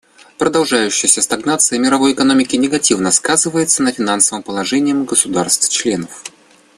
Продолжающаяся стагнация мировой экономики негативно сказывается на финансовом положении государств-членов.